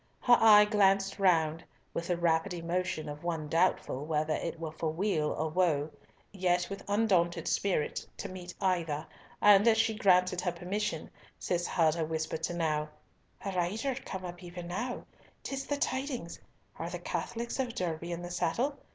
Her eye glanced round with the rapid emotion of one doubtful whether it were for weal or woe, yet with undaunted spirit to meet either, and as she granted her permission, Cis heard her whisper to Nau, "A rider came up even now! 'Tis the tidings! Are the Catholics of Derby in the saddle?